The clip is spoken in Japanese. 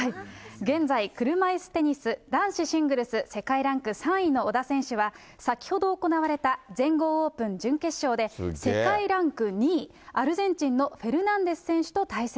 現在、車いすテニス男子シングルス世界ランク３位の小田選手は、先ほど行われた全豪オープン準決勝で、世界ランク２位、アルゼンチンのフェルナンデス選手と対戦。